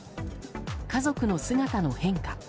家族の姿の変化